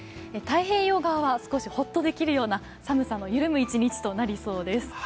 太平洋側は少しホッとできるような、寒さの緩む一日となりそうです。